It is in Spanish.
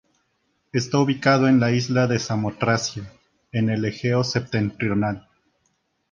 Está ubicado en la isla de Samotracia, en el Egeo Septentrional.